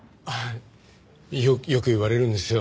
よく言われるんですよねえ。